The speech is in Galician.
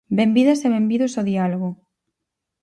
¡Benvidas e benvidos ao diálogo!